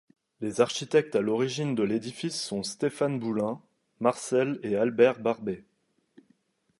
Les architectes à l'origine de l'édifice sont Stéphane Boulin, Marcel & Albert Barbet.